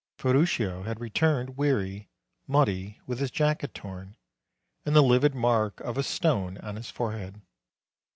Ferruccio had returned weary, muddy, with his jacket torn, and the livid mark of a stone on his forehead.